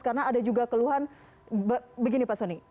karena ada juga keluhan begini pak soni